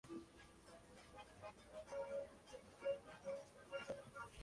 Extremadamente raro en el cultivo.